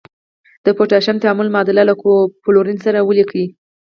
د پوتاشیم تعامل معادله له فلورین سره ولیکئ.